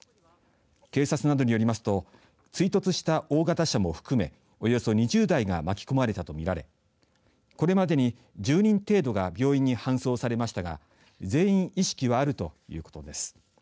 警察などによりますと追突した大型車も含めおよそ２０台が巻き込まれたと見られこれまでに１０人程度が病院に搬送されましたが全員、意識はあるということです。